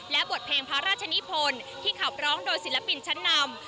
และบทเพลงพระราชนิพลที่ขับร้องโดยศิลปินชั้นนำ